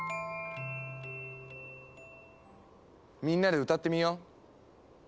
みんなで歌ってみよう。